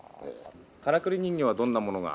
からくり人形はどんなものが？